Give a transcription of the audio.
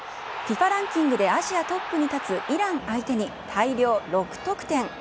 ＦＩＦＡランキングでアジアトップに立つイラン相手に、大量６得点。